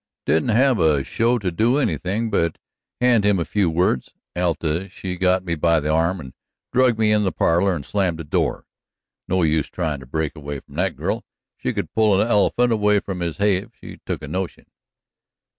"I didn't have a show to do anything but hand him a few words. Alta she got me by the arm and drug me in the parlor and slammed the door. No use tryin' to break away from that girl; she could pull a elephant away from his hay if she took a notion."